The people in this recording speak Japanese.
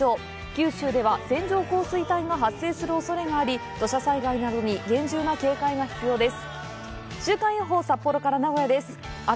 九州では、線状降水帯が発生するおそれがあり、土砂災害などに厳重な警戒が必要です。